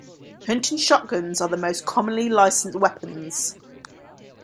Hunting shotguns are the most commonly licensed weapons.